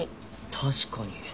確かに。